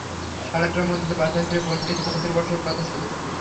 সাড়ে আটটার মধ্যে বাসায় ফিরে বোনকে নিয়ে পড়াতে বসার কথা ছিল।